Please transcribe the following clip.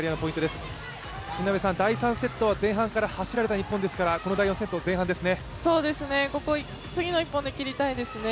第３セットは前半から走られた日本ですから、この第４セットも前半ですね。